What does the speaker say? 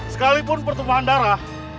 sekalipun pertumbuhan darah